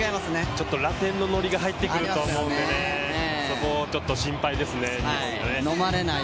ちょっとラテンのノリが入ってくると思うので、そこを心配ですね、日本ね。